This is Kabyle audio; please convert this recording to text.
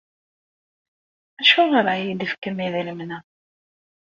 Acuɣer ara iyi-d-tefkem idrimen-a?